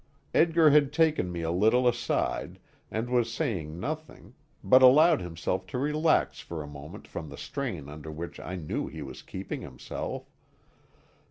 Edgar had taken me a little aside, and was saying nothing, but allowing himself to relax for a moment from the strain under which I knew he was keeping himself.